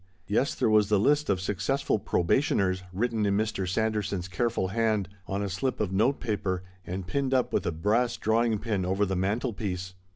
Yes, there was the list of successful probationers, written in Mr. Sanderson's care ful hand on a slip of note paper, and pinned up with a brass drawing pin over the mantel piece.